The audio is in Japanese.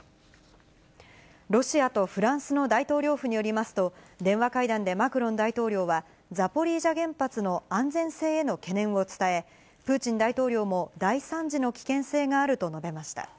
ロシアとフランスの大統領府によりますと、電話会談でマクロン大統領は、ザポリージャ原発の安全性への懸念を伝え、プーチン大統領も大惨事の危険性があると述べました。